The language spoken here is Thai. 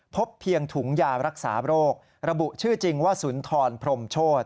พบเพียงถุงยารักษาโรคระบุชื่อจริงว่าสุนทรพรมโชธ